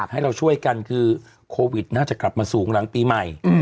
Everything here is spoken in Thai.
ให้เราช่วยกันคือโควิดน่าจะกลับมาสูงหลังปีใหม่